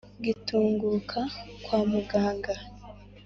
Ngitunguka kwa muganga